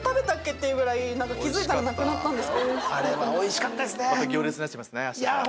ってぐらい気付いたらなくなったんです。